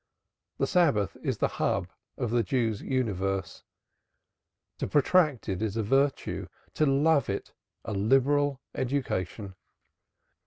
The Sabbath is the hub of the Jew's universe; to protract it is a virtue, to love it a liberal education.